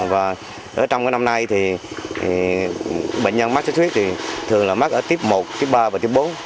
và ở trong năm nay thì bệnh nhân mắc xuất xuất huyết thì thường là mắc ở tiếp một tiếp ba và tiếp bốn